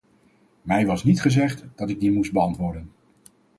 Mij was niet gezegd dat ik die moest beantwoorden.